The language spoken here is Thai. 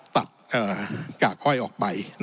ตัดกากค่อยออกไป